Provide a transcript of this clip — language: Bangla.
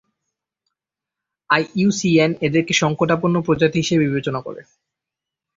আইইউসিএন এদেরকে সংকটাপন্ন প্রজাতি হিসেবে বিবেচনা করে।